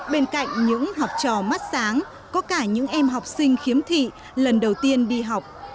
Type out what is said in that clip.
bên cạnh những học trò mắt sáng có cả những em học sinh khiếm thị lần đầu tiên đi học